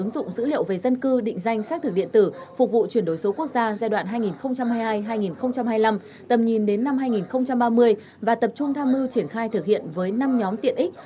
ứng dụng dữ liệu về dân cư định danh xác thực điện tử phục vụ chuyển đổi số quốc gia giai đoạn hai nghìn hai mươi hai hai nghìn hai mươi năm tầm nhìn đến năm hai nghìn ba mươi và tập trung tham mưu triển khai thực hiện với năm nhóm tiện ích